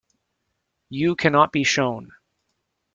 You cannot be shown.